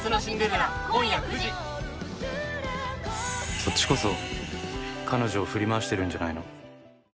「そっちこそ彼女を振り回してるんじゃないの？」